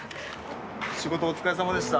仕事お疲れさまでした。